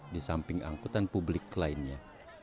di samping angkutan publik lainnya